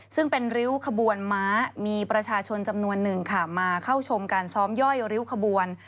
ซึ่งเป็นริ้วขบวนม้ามีประชาชนจำนวนหนึ่งค่ะมาเข้าชมการซ้อมย่อยริ้วขบวน